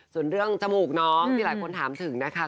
ส่วนเรื่องจมูกน้องที่หลายคนถามถึงนะคะ